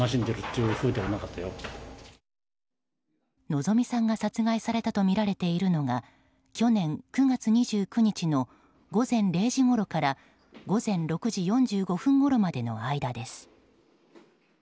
希美さんが殺害されたとみられているのが去年９月２９日の午前０時ごろから午前６時４５分ごろまでの間です。